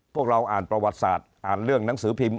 พวกเราอ่านประวัติศาสตร์อ่านเรื่องหนังสือพิมพ์